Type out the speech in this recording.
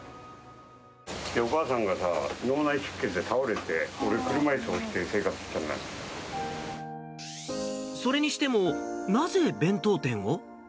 お母さんがさ、脳内出血で倒れて、それにしてもなぜ弁当店を？